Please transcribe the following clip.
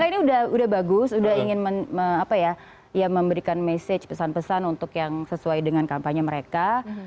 ini udah bagus udah ingin memberikan message pesan pesan untuk yang sesuai dengan kampanye mereka